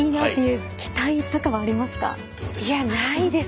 いやないです。